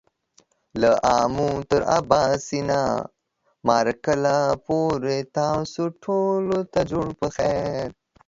له آمو تر آباسينه ، مارګله پورې تاسو ټولو ته جوړ پخير !